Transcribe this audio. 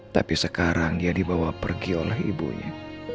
tapi sekarang dia dibawa pergi oleh ibunya